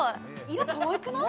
色かわいくない？